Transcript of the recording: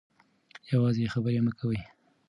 یوازې خبرې مه کوئ.